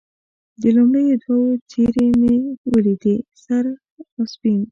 د لومړیو دوو څېرې مې یې ولیدې، سره او سپین.